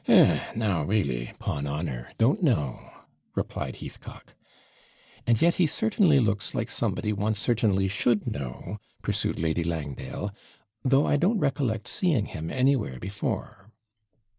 'Eh! now really 'pon honour don't know,' replied Heathcock. 'And yet he certainly looks like somebody one certainly should know,' pursued Lady Langdale, 'though I don't recollect seeing him anywhere before.'